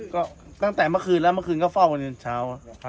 ก็ตั้งแต่เมื่อคืนแล้วเมื่อคืนก็เฝ้ากันจนเช้า